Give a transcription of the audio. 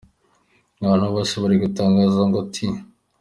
Abantu bose bari gutangaza ngo ‘T.